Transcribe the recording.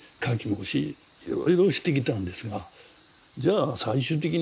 もしいろいろしてきたんですがじゃあ最終的に何なのか。